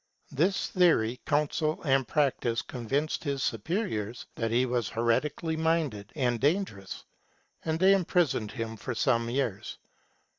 This theory, counsel, and practice convinced his superiors that lie was heretically minded and dangerous, and they imprisoned him for some years.